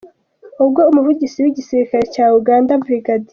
Ubwo umuvugizi w’igisirikare cya Uganda, Brig.